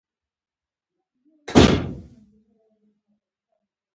د درېواړو موخو لاسته راوړل